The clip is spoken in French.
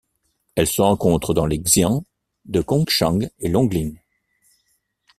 Elle se rencontre dans les xians de Gongshan et Longling.